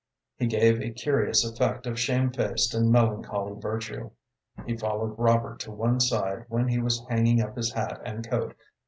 He gave a curious effect of shamefaced and melancholy virtue. He followed Robert to one side when he was hanging up his hat and coat.